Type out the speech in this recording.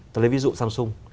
tôi lấy ví dụ samsung